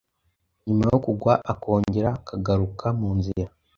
nyuma yo kugwa akongera akagaruka mu nzira,